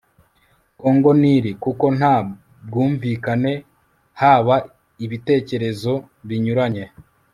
congo-nil, kuko nta bwumvikane haba ibitekerezo binyuranye